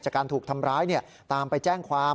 จากการถูกทำร้ายตามไปแจ้งความ